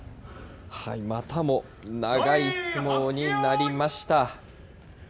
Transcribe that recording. またも長い相撲になりました。